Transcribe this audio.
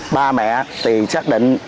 ba mẹ thì xác định